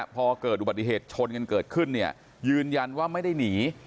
พอเกิดอุบัติเหตุชนกันเกิดขึ้นเนี่ยยืนยันว่าไม่ได้หนี